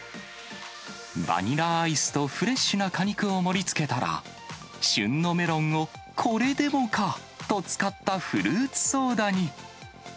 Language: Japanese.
バニラアイスとフレッシュな果肉を盛りつけたら、旬のメロンをこれでもかと使ったフルーツソーダに。